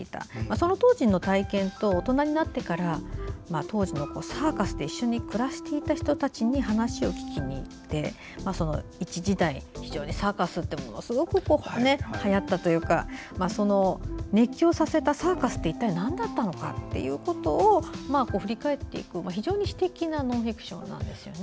その当時の体験と大人になってから当時のサーカスで一緒に暮らしていた人たちに話を聞きに行って一時代、非常にサーカスがはやったというか熱狂させたサーカスって一体なんだったのかっていうことを振り返っていく非常に私的なノンフィクションなんですね。